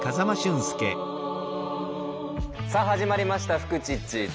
さあ始まりました「フクチッチ」。